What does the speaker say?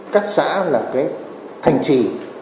các xã là cái thành trì